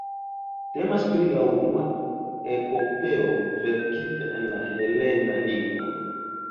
Temas pri la unua epopeo verkita en la helena lingvo.